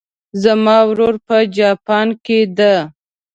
زما ورور په جاپان کې ده